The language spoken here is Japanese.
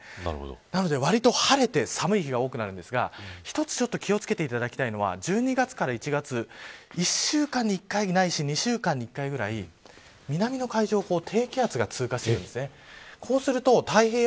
なので、晴れて寒い日が多くなるんですが一つ気をつけていただきたいのが１２月から１月１週間に１回ないし２週間に１回南の海上を低気圧が通過します。